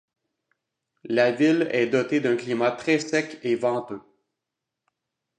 La ville est dotée d'un climat très sec et venteux.